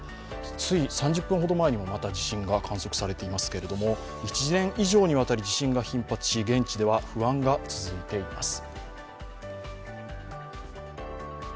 つい３０分ほど前にも地震が観測されていますけれども１年以上も地震が頻発し、現地では不安が続いています。